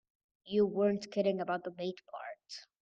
You weren't kidding about the bait part.